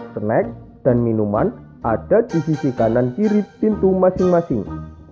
snack dan minuman ada di sisi kanan kiri pintu masing masing